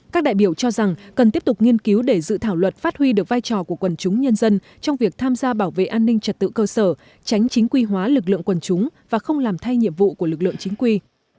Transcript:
các đại biểu cho rằng cần tiếp tục nghiên cứu để dự thảo luật phát huy được vai trò của quần chúng nhân dân trong việc tham gia bảo vệ an ninh trật tự cơ sở tránh chính quy hóa lực lượng quần chúng và không làm thay nhiệm vụ của lực lượng chính quy